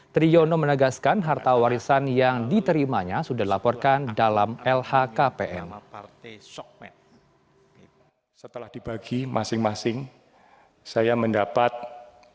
triyono menegaskan harta orang tuanya yang berasal dari perketitan rakyat atau bpr ri